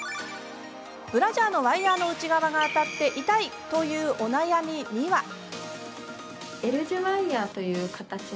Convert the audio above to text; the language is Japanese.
ブラジャーのワイヤーの内側が当たって痛いというお悩みには。